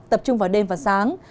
tập trung vào đêm và sáng